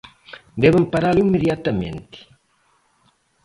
Deben paralo inmediatamente!